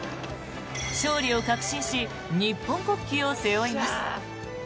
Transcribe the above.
勝利を確信し日本国旗を背負います。